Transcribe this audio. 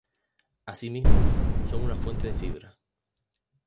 Asimismo, son una fuente de fibra.